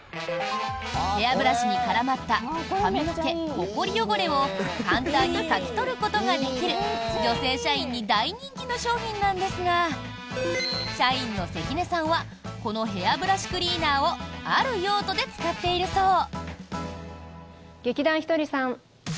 ヘアブラシに絡まった髪の毛、ほこり汚れを簡単にかき取ることができる女性社員に大人気の商品なんですが社員の関根さんはこのヘアブラシクリーナーをある用途で使っているそう。